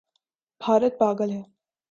بھارت پاگل ہے